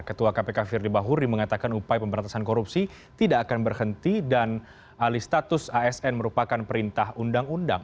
ketua kpk firly bahuri mengatakan upaya pemberantasan korupsi tidak akan berhenti dan alih status asn merupakan perintah undang undang